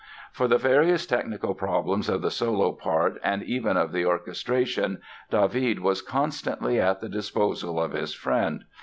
For the various technical problems of the solo part and even of the orchestration David was constantly at the disposal of his friend.